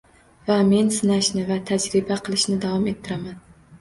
Va men sinashni va tajriba qilishni davom ettiraman